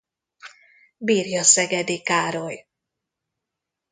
Birja Szegedy Károly.